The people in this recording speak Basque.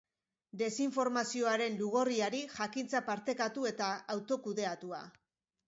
Desinformazioaren lugorriari, jakintza partekatu eta autokudeatua.